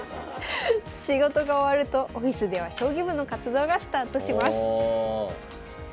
仕事が終わるとオフィスでは将棋部の活動がスタートします。